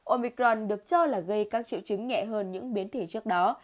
omicron được cho là gây các triệu chứng nhẹ hơn những biến thể trước đó